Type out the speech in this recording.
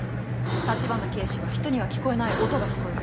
橘警視はひとには聞こえない音が聞こえる。